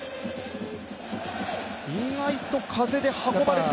意外と風で運ばれて。